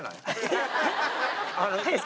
えっ？